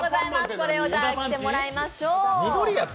これを着てもらいましょう。